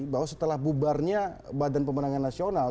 bahwa setelah bubarnya badan pemenangan nasional